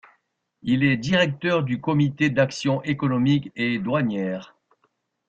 Il est directeur du Comité d'action économique et douanière.